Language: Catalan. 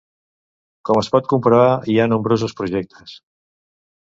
Com es pot comprovar, hi ha nombrosos projectes.